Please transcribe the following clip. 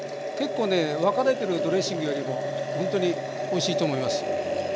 結構ね分かれてるドレッシングよりもほんとにおいしいと思います。